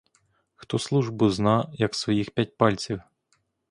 Хто службу зна, як своїх п'ять пальців?